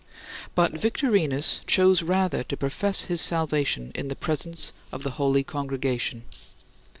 But Victorinus chose rather to profess his salvation in the presence of the holy congregation.